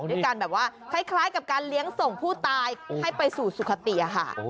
ด้วยการแบบว่าคล้ายกับการเลี้ยงส่งผู้ตายให้ไปสู่สุขติค่ะ